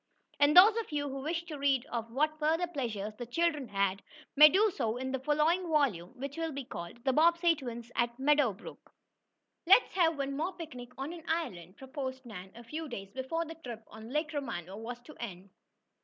And those of you who wish to read of what further pleasures the children had, may do so in the following volume, which will be called "The Bobbsey Twins at Meadow Brook." "Let's have one more picnic on an island!" proposed Nan, a few days before the trip on Lake Romano was to end.